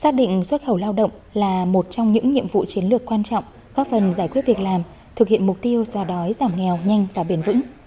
xác định xuất khẩu lao động là một trong những nhiệm vụ chiến lược quan trọng góp phần giải quyết việc làm thực hiện mục tiêu xóa đói giảm nghèo nhanh và bền vững